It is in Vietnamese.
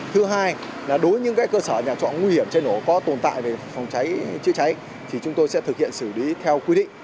thứ hai là đối với những cơ sở nhà trọ nguy hiểm cháy nổ có tồn tại về phòng cháy chữa cháy thì chúng tôi sẽ thực hiện xử lý theo quy định